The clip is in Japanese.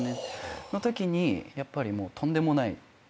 そのときにやっぱりもうとんでもない。